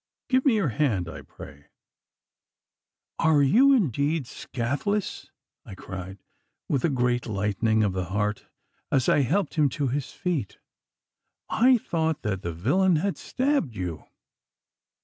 Give me your hand, I pray.' 'And are you indeed scathless?' I cried, with a great lightening of the heart as I helped him to his feet. 'I thought that the villain had stabbed you.